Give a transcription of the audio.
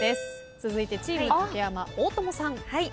続いてチーム竹山大友さん。はい。